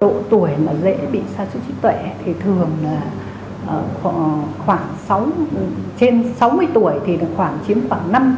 độ tuổi mà dễ bị sa sút trí tuệ thì thường là khoảng sáu mươi tuổi thì khoảng chiếm khoảng năm